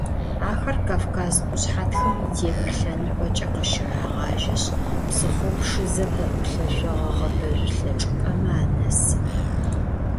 Ахэр Кавказ къушъхьэтхым итемыр лъэныкъокӏэ къыщырагъажьэшъ, псыхъоу Пшызэ пэӏулъэшъогъэ гъэбэжъулъэ чӏыпӏэмэ анэсы.